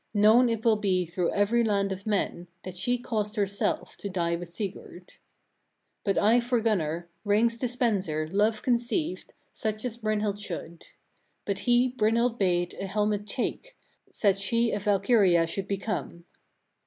Known it will be through every land of men, that she caused herself to die with Sigurd. 21. But I for Gunnar, rings' dispenser, love conceived, such as Brynhild should. But he Brynhild bade a helmet take, said she a Valkyria should become.